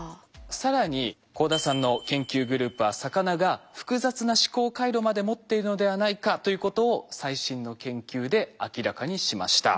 更に幸田さんの研究グループは魚が複雑な思考回路まで持っているのではないかということを最新の研究で明らかにしました。